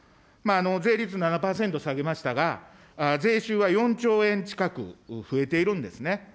税率７％下げましたが、税収は４兆円近く増えているんですね。